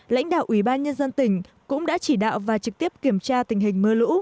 lãnh đạo ủy ban nhân dân tỉnh cũng đã chỉ đạo và trực tiếp kiểm tra tình hình mưa lũ